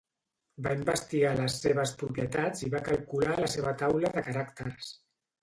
Va investigar les seves propietats i va calcular la seva taula de caràcters.